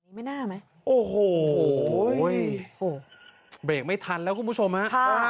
ไม่น่ามั้ยโอ้โหเฮ้ยโถ่เบรกไม่ทันแล้วคุณผู้ชมฮะค่ะ